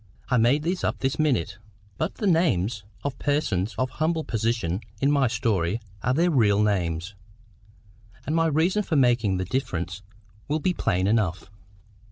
I made these up this minute. But the names of the persons of humble position in my story are their real names. And my reason for making the difference will be plain enough.